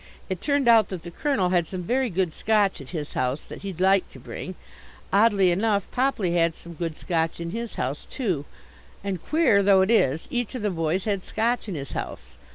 It turned out that the Colonel had some very good Scotch at his house that he'd like to bring; oddly enough Popley had some good Scotch in his house too; and, queer though it is, each of the boys had Scotch in his house.